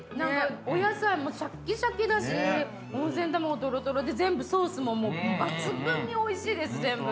お野菜もシャッキシャキだし温泉卵トロトロで全部ソースも抜群においしいです全部。